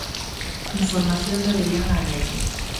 Información de Adrián Abella.